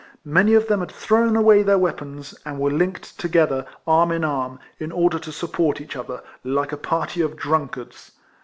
]\Iany of them had thrown away their weapons, and were linked together arm in arm, in order to support each other, like a party of drunkards.